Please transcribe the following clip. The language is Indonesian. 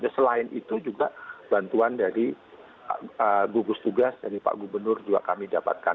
selain itu juga bantuan dari gugus tugas dari pak gubernur juga kami dapatkan